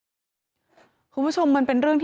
พอลูกเขยกลับเข้าบ้านไปพร้อมกับหลานได้ยินเสียงปืนเลยนะคะ